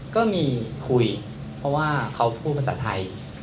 ก็มีคุยเพราะว่าเขาพูดภาษาไทย